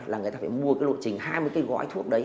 là người ta phải mua cái lộ trình hai mươi cái gói thuốc đấy